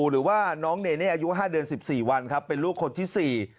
หรือว่าน้องเนเน่อายุ๕เดือน๑๔วันครับเป็นลูกคนที่สี่